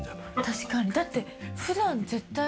確かにだって。